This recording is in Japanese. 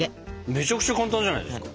めちゃくちゃ簡単じゃないですか？